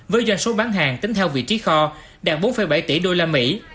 với doanh số bán hàng tính theo vị trí kho đạt bốn bảy tỷ đô la mỹ